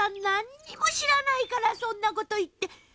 何にも知らないからそんなこと言って」